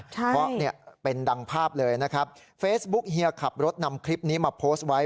เพราะเนี่ยเป็นดังภาพเลยนะครับเฟซบุ๊กเฮียขับรถนำคลิปนี้มาโพสต์ไว้